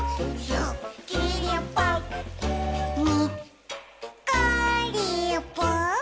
「にっこりぽっ」